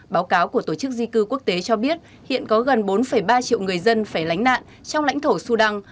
báo cáo của tổ chức di cư quốc tế cho biết hiện có gần bốn ba triệu người dân phải lánh nạn trong lãnh thổ sudan